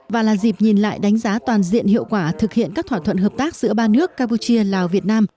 và là dịp nhìn lại đánh giá toàn diện hiệu quả thực hiện các thỏa thuận hợp tác giữa ba nước campuchia lào việt nam